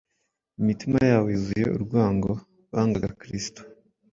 imitima yabo yuzuye urwango bangaga Kristo,